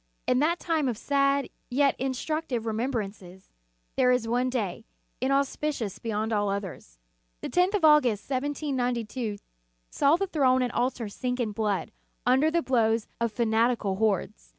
In that time of sad, yet instructive remembrances, there is one day, inauspicious beyond all others. The tenth of August, 1792, saw the throne and altar sink in blood, under the blows of fanat ical hordes.